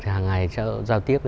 hàng ngày giao tiếp